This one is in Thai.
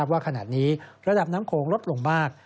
ว่าขณะนี้ระดับน้ำโขงลดลงมาก